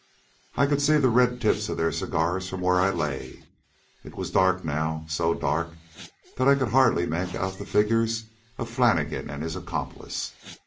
I could see the red tips of their cigars from where I lay. It was dark now, so dark that I could hardly make out the figures of Flannigan and his accomplice.